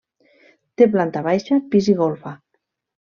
Té planta baixa, pis i golfa.